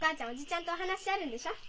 ちゃんとお話あるんでしょう？